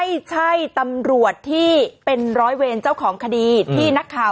ปรากฏว่าสิ่งที่เกิดขึ้นคลิปนี้ฮะ